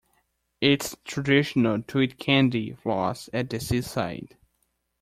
It's traditional to eat candy floss at the seaside